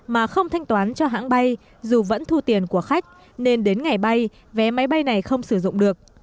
mà không thanh toán cho hãng bay dù vẫn thu tiền của khách nên đến ngày bay vé máy bay này không sử dụng được